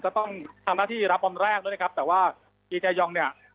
จะต้องทำหน้าที่รับวันแรกด้วยนะครับแต่ว่าจีแกยองเนี่ย